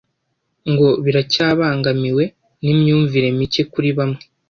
ngo biracyabangamiwe n’imyumvire mike kuri bamwe